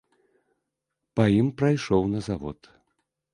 Па ім прайшоў на завод.